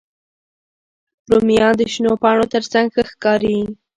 رومیان د شنو پاڼو تر څنګ ښه ښکاري